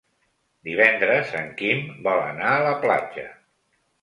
Divendres en Quim vol anar a la platja.